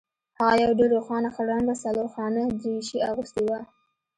هغه یو ډیر روښانه خړ رنګه څلورخانه دریشي اغوستې وه